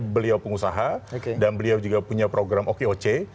beliau pengusaha dan beliau juga punya program oke oke